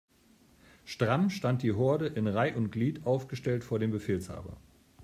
Stramm stand die Horde in Reih' und Glied aufgestellt vor dem Befehlshaber.